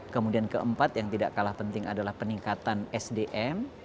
kemudian keempat yang tidak kalah penting adalah peningkatan sdm